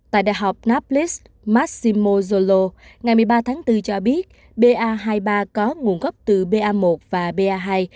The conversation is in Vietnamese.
tại đại học naplas massimo zolo ngày một mươi ba tháng bốn cho biết ba hai mươi ba có nguồn gốc từ ba một và ba hai